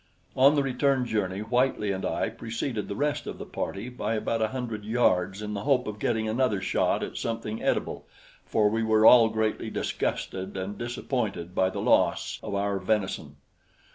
On the return journey Whitely and I preceded the rest of the party by about a hundred yards in the hope of getting another shot at something edible, for we were all greatly disgusted and disappointed by the loss of our venison.